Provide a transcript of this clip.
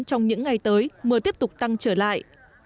trong những ngày tới mưa tiếp tục tăng trở lại